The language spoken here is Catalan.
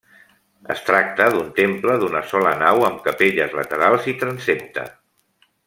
Es tracta d'un temple d'una sola nau amb capelles laterals i transsepte.